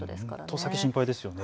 この先心配ですよね。